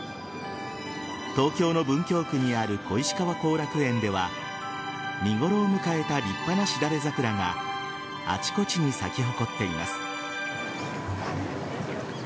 東京の文京区にある小石川後楽園では見頃を迎えた立派なシダレザクラがあちこちに咲き誇っています。